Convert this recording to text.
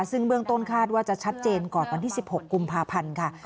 ซึ่งเบื้องต้นคาดว่าจะชัดเจนก่อนวันที่๑๖กุมภาพันธ์ค่ะ